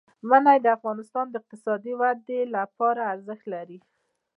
منی د افغانستان د اقتصادي ودې لپاره ارزښت لري.